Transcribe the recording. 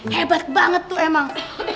hebat banget tuh emang